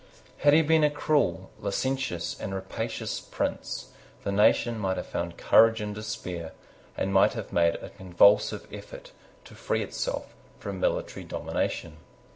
Had he been a cruel, licentious, and rapacious prince, the nation might have found courage in despair, and might have made a convulsive effort to free itself from military domination.